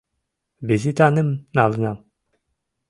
«Визытаным» налынам.